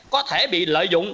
có thể bị lợi dụng